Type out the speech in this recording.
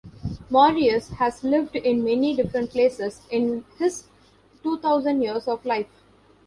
Marius has lived in many different places in his two thousand years of life.